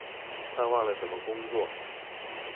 快忘了怎麼工作